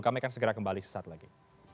kami akan segera kembali sesaat lagi